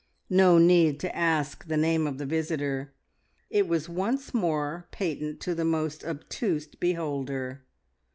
No need to ask the name of the visitor. It was once more patent to the most obtuse beholder.